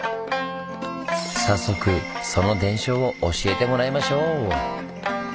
早速その伝承を教えてもらいましょう！